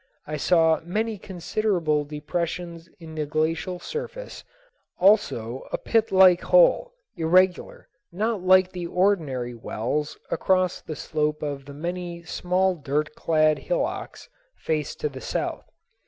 I saw many considerable depressions in the glacial surface, also a pitlike hole, irregular, not like the ordinary wells along the slope of the many small dirt clad hillocks, faced to the south.